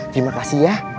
terima kasih ya